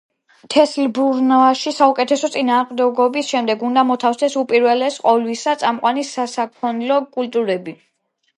თესლბრუნვაში საუკეთესო წინამორბედის შემდეგ უნდა მოთავსდეს, უპირველეს ყოვლისა, წამყვანი სასაქონლო კულტურები.